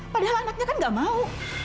padahal anaknya kan gak mau